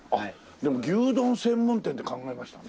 でも牛丼専門店って考えましたね。